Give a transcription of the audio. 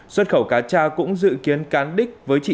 xuất khẩu cá cha cũng dự kiến cán đích